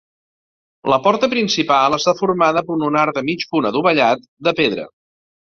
La porta principal està formada per un arc de mig punt adovellat de pedra.